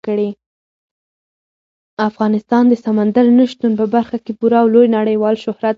افغانستان د سمندر نه شتون په برخه کې پوره او لوی نړیوال شهرت لري.